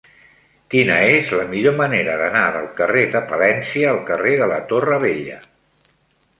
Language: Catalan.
Quina és la millor manera d'anar del carrer de Palència al carrer de la Torre Vella?